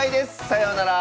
さようなら。